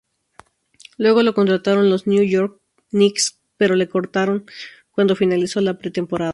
Luego lo contrataron los New York Knicks pero lo cortaron cuando finalizó la pretemporada.